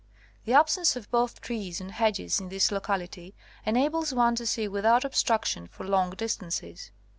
The absence of both trees and hedges in this locality enables one to see without obstruction for long distances.